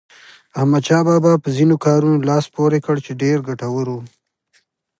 احمدشاه بابا په ځینو کارونو لاس پورې کړ چې ډېر ګټور وو.